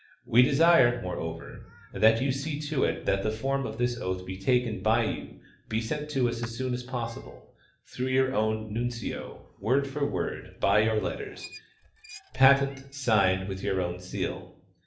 We desire, moreover, that you see to it that the form of this oath taken by you be sent to us as soon as jDossible, through your own nuncio, word for word, by your letters patent, signed with your own seal.